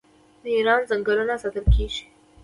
د ایران ځنګلونه ساتل کیږي.